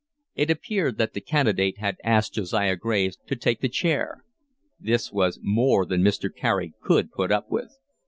It appeared that the candidate had asked Josiah Graves to take the chair. This was more than Mr. Carey could put up with.